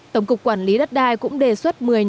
tổng cục quản lý đất đai cũng đề xuất một mươi nhóm nội dung